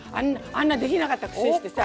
あんなできなかったくせしてさ。